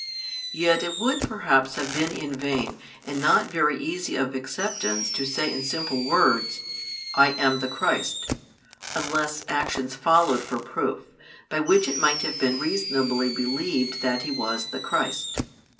Yet it would perhaps have been in vain and not very easy of acceptance to say in simple words: "I am the Christ," unless actions followed for proof, by which it might have been reasonably believed that He was the Christ.